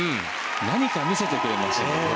何か見せてくれますしね。